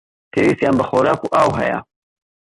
پێویستیان بە خۆراک و ئاو هەیە.